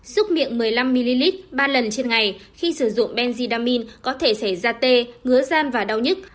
xúc miệng một mươi năm ml ba lần trên ngày khi sử dụng benzidamine có thể xảy ra tê ngứa gian và đau nhất